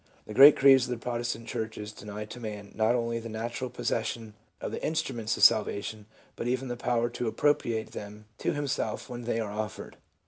The great creeds of the Protestant churches deny to man not only the natural possession of the instruments of salvation, but even the power to appropriate them to himself when they are offered.